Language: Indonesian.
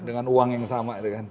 dengan uang yang sama